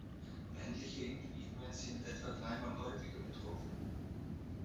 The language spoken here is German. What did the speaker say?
Männliche Individuen sind etwa dreimal häufiger betroffen.